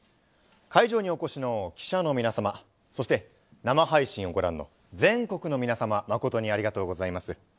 会場にお越しの記者の皆様生配信をご覧の全国の皆様まことにありがとうございます。